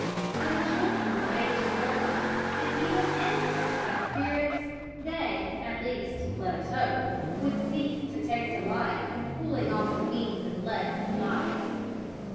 But if children were made to realize that even insects have spirits, they, at least, let us hope, would cease to take delight in pulling off the wings and legs of flies.